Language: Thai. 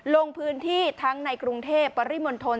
ลงพื้นที่ทั้งในกรุงเทพปริมณฑล